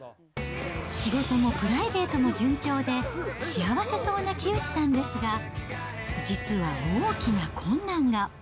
仕事もプライベートも順調で、幸せそうな木内さんですが、実は大きな困難が。